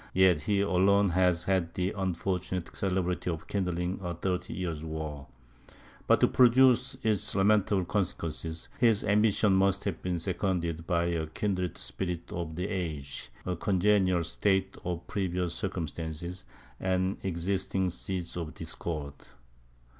yet he alone has had the unfortunate celebrity of kindling a thirty years' war; but to produce its lamentable consequences, his ambition must have been seconded by a kindred spirit of the age, a congenial state of previous circumstances, and existing seeds of discord.